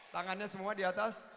tangannya semua di atas